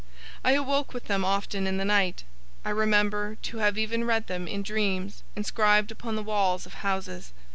I awoke with them, often, in the night; I remember to have even read them, in dreams, inscribed upon the walls of houses.